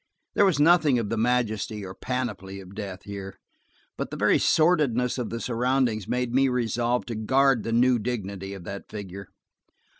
There was nothing of the majesty or panoply of death here, but the very sordidness of the surroundings made me resolve to guard the new dignity of that figure.